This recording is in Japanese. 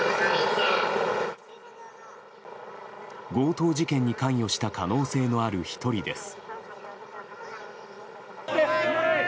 強盗事件に関与した可能性のある１人です。